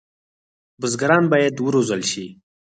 بزګران باید وروزل شي.